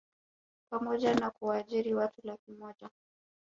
pamoja na kuwaajiri watu laki moja